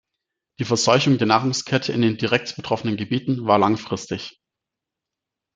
Die Verseuchung der Nahrungskette in den direkt betroffenen Gebieten war langfristig.